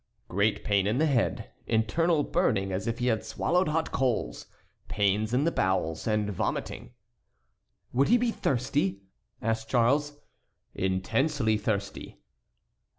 "Great pain in the head, internal burning as if he had swallowed hot coals, pains in the bowels, and vomiting." "Would he be thirsty?" asked Charles. "Intensely thirsty."